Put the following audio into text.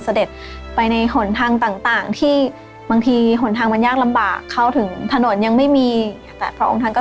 เสด็จไปในหนทางต่างต่างที่บางทีหนทางมันยากลำบากเข้าถึงถนนยังไม่มีแต่พระองค์ท่านก็